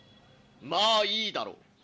まあいいだろう。